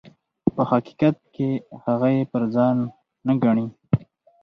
په حقیقت کې هغه یې پر ځان نه ګڼي.